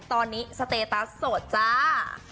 ตอนนี้สเตตัสโสดจ้า